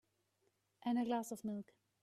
And a glass of milk.